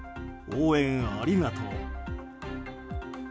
応援ありがとう。